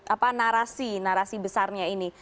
apa narasi narasi besarnya ini